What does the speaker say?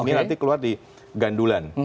ini nanti keluar di gandulan